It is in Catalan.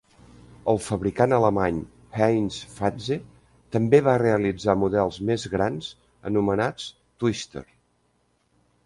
El fabricant alemany Heintz-Fahtze també va realitzar models més grans anomenats Twister.